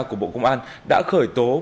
của bộ công an đã khởi tố